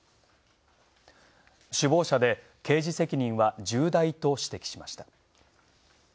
「首謀者で刑事責任は重大」と指摘しました。